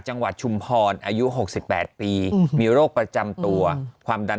จังหวัดชุมพรอายุหกสิบแปดปีมีโรคประจำตัวความดัน